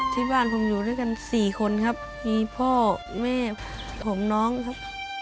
ที่บ้านผมอยู่ด้วยกัน๔คนครับมีพ่อแม่ของน้องครับ